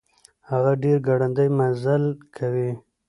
هغه ډير ګړندی مزل کوي.